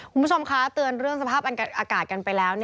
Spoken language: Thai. คุณผู้ชมคะเตือนเรื่องสภาพอากาศกันไปแล้ว